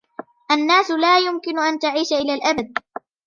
الناس لا يمكن أن تعيش إلى الأبد.